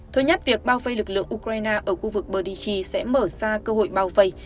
thứ nhất việc bao vây lực lượng ukraine ở khu vực bờichi sẽ mở ra cơ hội bao vây